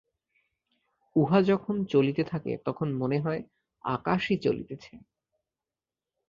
উহা যখন চলিতে থাকে, তখন মনে হয় আকাশই চলিতেছে।